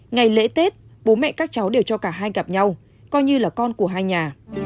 ngày lễ tết bố mẹ các cháu đều cho cả hai gặp nhau coi như là con của hai nhà